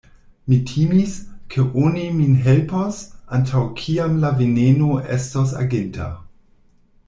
Mi timis, ke oni min helpos, antaŭ kiam la veneno estos aginta.